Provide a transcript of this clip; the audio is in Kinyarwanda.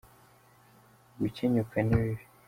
gukenyuka nibibi.